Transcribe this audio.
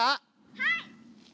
はい！